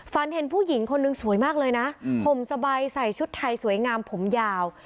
เห็นผู้หญิงคนนึงสวยมากเลยนะห่มสบายใส่ชุดไทยสวยงามผมยาว